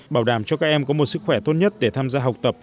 bảo đảm cho các em có một sức khỏe tốt nhất để tham gia học tập